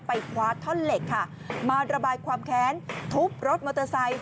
คว้าท่อนเหล็กค่ะมาระบายความแค้นทุบรถมอเตอร์ไซค์